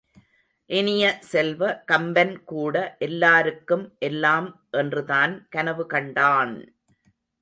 இனிய செல்வ, கம்பன் கூட எல்லாருக்கும் எல்லாம் என்றுதான் கனவு கண்டான்!